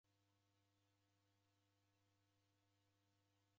Uhu waghosia.